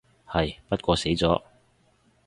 係，不過死咗